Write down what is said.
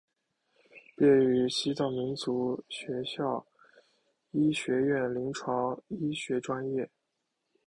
毕业于西藏民族学院医学院临床医学专业。